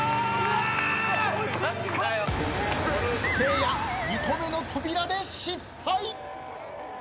せいや２個目の扉で失敗。